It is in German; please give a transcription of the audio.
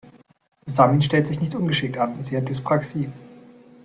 Samin stellt sich nicht ungeschickt an, sie hat Dyspraxie.